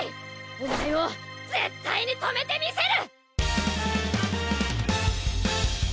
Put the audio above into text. お前を絶対に止めてみせる！